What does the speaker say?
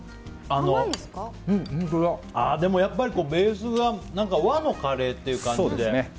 ああ、でもやっぱりベースは和のカレーっていう感じで。